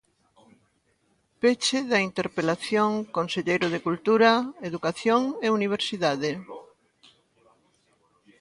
Peche da interpelación, conselleiro de Cultura, Educación e Universidade.